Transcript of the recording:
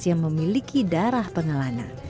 yang memiliki darah pengelana